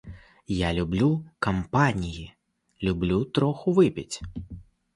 Я люблю кампаніі, люблю троху выпіць.